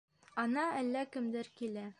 Ана, әллә кемдәр килә.